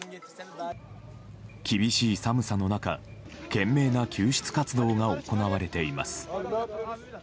厳しい寒さの中懸命な救出活動が行われています。